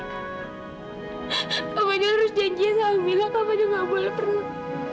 kak fadil harus janji sama mila kak fadil nggak boleh pernah